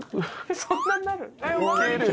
そんなになる？